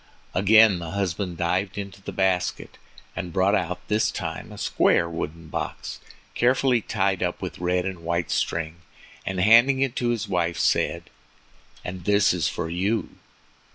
Again the husband dived into the basket, and brought out this time a square wooden box, carefully tied up with red and white string, and handing it to his wife, said: "And this is for you."